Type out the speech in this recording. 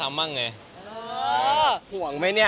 ห่วงไม่มั๊ยเนี่ย